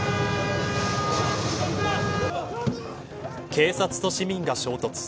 警察と市民が衝突。